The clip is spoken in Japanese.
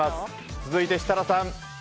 続いて設楽さん。